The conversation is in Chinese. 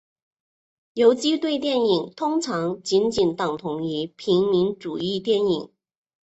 游击队电影通常仅仅等同于平民主义电影。